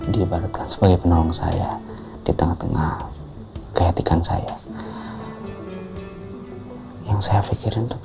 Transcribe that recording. dibalutkan sebagai penolong saya di tengah tengah kehatikan saya yang saya pikirin tupak al